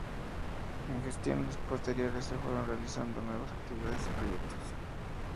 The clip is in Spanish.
En gestiones posteriores se fueron realizando nuevas actividades y proyectos.